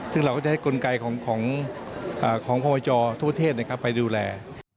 ซึ่งเราก็จะให้กลไกของพบจทั่วเทศไปดูแล